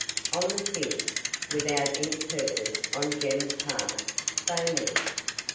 On the fifth, without any purpose on Jem's part, they met.